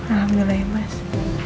alhamdulillah ya mas